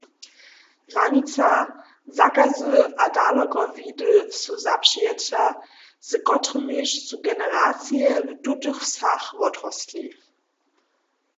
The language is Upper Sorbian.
Hranica, zakazy a dalokowidy su zapřijeća, z kotrymiž su generacije w tutych wsach wotrostli.